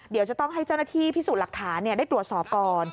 เดี๋ยวจะต้องให้เจ้าหน้าที่พิสูจน์หลักฐานได้ตรวจสอบก่อน